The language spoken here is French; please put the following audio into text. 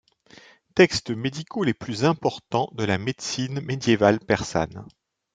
Textes médicaux les plus importants de la médecine médiévale persane.